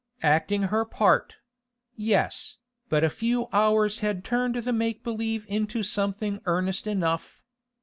Acting her part; yes, but a few hours had turned the make believe into something earnest enough.